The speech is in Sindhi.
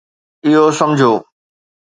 اهو سمجھو